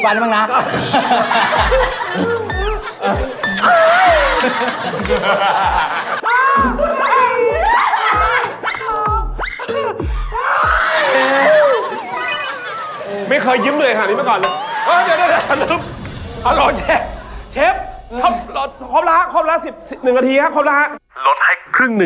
ทำตัวนี้กว่าอะไรนี่